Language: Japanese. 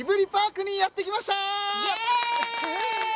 イエーイ！